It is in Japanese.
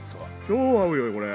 超合うよこれ。